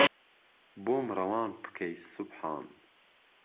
بۆم ڕەوان پکەی سوبحان